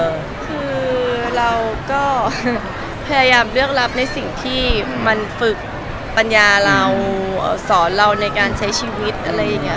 คือเราก็พยายามเลือกรับในสิ่งที่มันฝึกปัญญาเราสอนเราในการใช้ชีวิตอะไรอย่างนี้